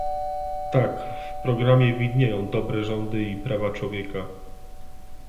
Tak, w programie widnieją dobre rządy i prawa człowieka